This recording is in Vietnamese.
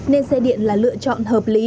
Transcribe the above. nên xe điện là lựa chọn hợp lý